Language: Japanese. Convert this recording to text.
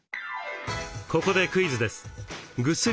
ここでクイズです。